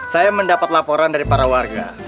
saya mendapat laporan dari para warga